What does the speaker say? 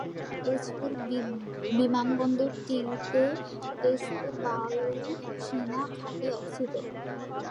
তেজপুর বিমানবন্দর টিতে তেজপুর বায়ু সেনা ঘাঁটি অবস্থিত।